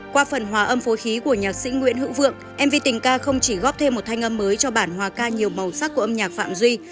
qua phần hòa âm phố khí của nhạc sĩ nguyễn hữu vượng mv tình ca không chỉ góp thêm một thanh âm mới cho bản hòa ca nhiều màu sắc của âm nhạc phạm duy